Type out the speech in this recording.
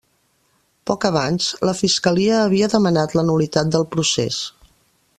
Poc abans, la fiscalia havia demanat la nul·litat del procés.